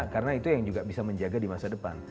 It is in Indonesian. karena itu yang juga bisa menjaga di masa depan